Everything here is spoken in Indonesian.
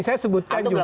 saya sebutkan juga